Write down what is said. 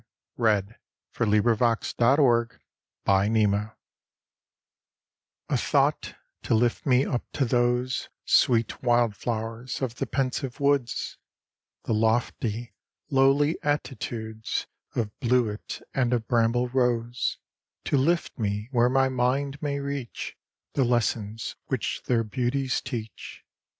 _ INTIMATIONS OF THE BEAUTIFUL _A thought, to lift me up to those Sweet wildflowers of the pensive woods; The lofty, lowly attitudes Of bluet and of bramble rose: To lift me where my mind may reach The lessons which their beauties teach.